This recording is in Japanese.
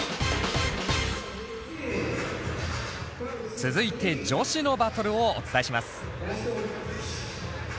続いて女子のバトルをお伝えします。